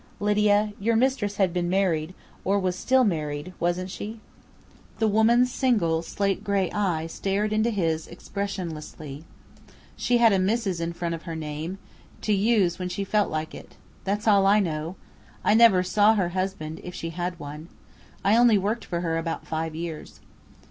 "Lydia, your mistress had been married, or was still married, wasn't she?" The woman's single, slate grey eye stared into his expressionlessly. "She had 'Mrs.' in front of her name, to use when she felt like it. That's all I know. I never saw her husband if she had one. I only worked for her about five years."